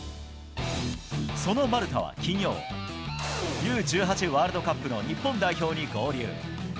その丸田は金曜、Ｕー１８ワールドカップの日本代表に合流。